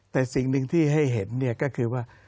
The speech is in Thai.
แต่สิ่งหนึ่งที่ให้เห็นเนี่ยก็คือว่า